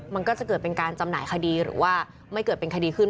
มันก็จะเกิดเป็นการจำหน่ายคดีหรือว่าไม่เกิดเป็นคดีขึ้น